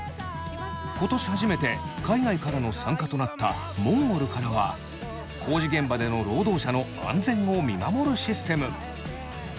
今年初めて海外からの参加となったモンゴルからは工事現場での労働者の安全を見守るシステム。